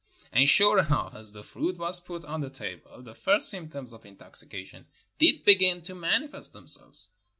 And sure enough, as the fruit was put on the table the first symptoms of intoxication did begin to manifest themselves.